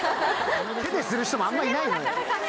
手でする人もあんまいないのよ。